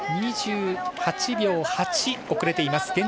２８秒８遅れています。